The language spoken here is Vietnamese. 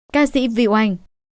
ca sĩ vịu anh